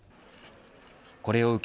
これを受け